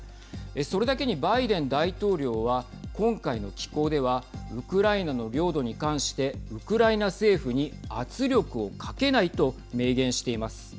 それだけに、バイデン大統領は今回の寄稿ではウクライナの領土に関してウクライナ政府に圧力をかけないと明言しています。